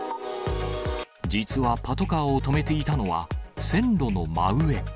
実は、パトカーを止めていたのは、線路の真上。